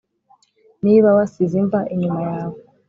niba wasize imva inyuma yawe